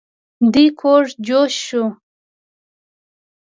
دی کوږ جوش شو.